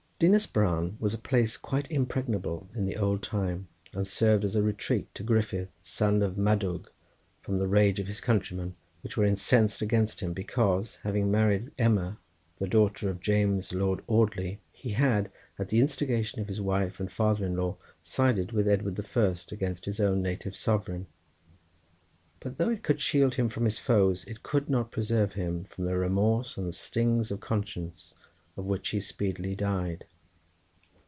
Dinas Bran was a place quite impregnable in the old time, and served as a retreat to Gruffydd, son of Madawg, from the rage of his countrymen, who were incensed against him because, having married Emma, the daughter of James Lord Audley, he had, at the instigation of his wife and father in law, sided with Edward the First against his own native sovereign. But though it could shield him from his foes, it could not preserve him from remorse and the stings of conscience, of which he speedily died.